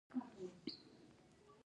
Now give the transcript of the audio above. نو نيکه هم د هغه ملگرى سو.